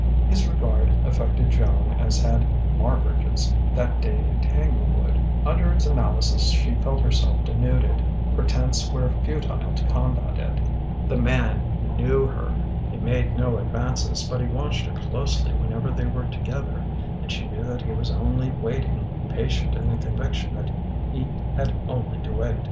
His regard affected Joan as had Marbridge's, that day at Tanglewood; under its analysis she felt herself denuded; pretence were futile to combat it: the man knew her. He made no advances; but he watched her closely whenever they were together; and she knew that he was only waiting, patient in the conviction that he had only to wait.